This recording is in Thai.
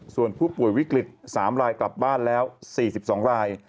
ส่วนผู้ป่วยวิกฤต๓รายกลับบ้านแล้ว๔๒ราย